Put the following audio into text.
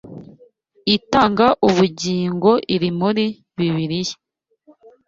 itanga ubugingo iri muri Bibiliya.